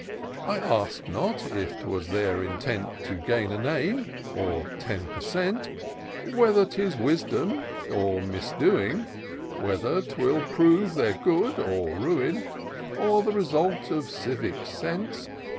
I ask not, if 'twas their intent To gain a name — or tenper cent. ; Whether 'tis wisdom or misdoing ; Whether 'twill prove their good or ruin, Or the result of civic sense.